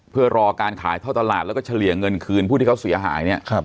เพื่อรอการขายท่อตลาดแล้วก็เฉลี่ยเงินคืนผู้ที่เขาเสียหายเนี่ย